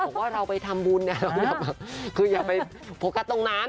บอกว่าเราไปทำบุญอย่าไปโพกัตตรงนั้น